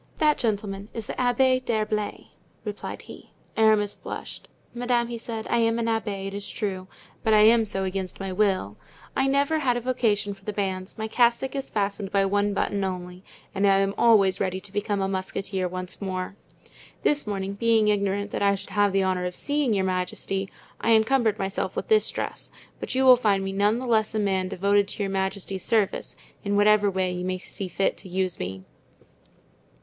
"That gentleman is the Abbé d'Herblay," replied he. Aramis blushed. "Madame," he said, "I am an abbé, it is true, but I am so against my will. I never had a vocation for the bands; my cassock is fastened by one button only, and I am always ready to become a musketeer once more. This morning, being ignorant that I should have the honor of seeing your majesty, I encumbered myself with this dress, but you will find me none the less a man devoted to your majesty's service, in whatever way you may see fit to use me."